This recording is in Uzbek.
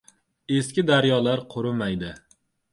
• Eski daryolar qurimaydi.